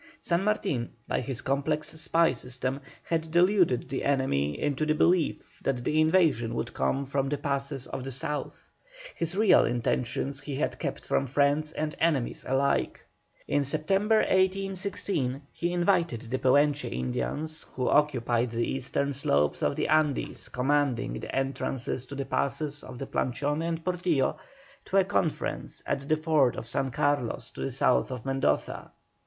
San Martin, by his complex spy system, had deluded the enemy into the belief that the invasion would come from the passes of the south; his real intentions he had kept from friends and enemies alike. In September, 1816, he invited the Pehuenche Indians, who occupied the eastern slopes of the Andes commanding the entrances to the passes of the Planchon and Portillo, to a conference at the fort of San Carlos to the south of Mendoza.